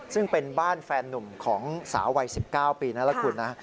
ซึ่งเป็นบ้านแฟนหนุ่มของสาววัย๑๙ปีนรกุลนะ